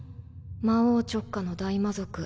魔王直下の大魔族